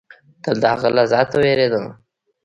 تل د هغه له ذاته وېرېدم.